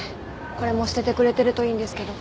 これも捨ててくれてるといいんですけど。